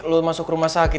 lo masuk rumah sakit